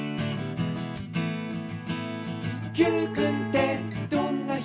「Ｑくんってどんな人？